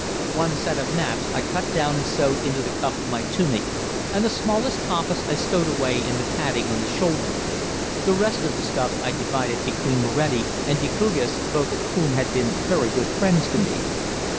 One set of maps I cut down and sewed into the cuff of my tunic, and the smallest compass I stowed away in the padding on the shoulder. The rest of the stuff I divided between Moretti and Decugis, both of whom had been very good friends to me.